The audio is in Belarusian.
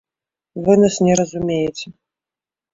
Вы нас не разумееце.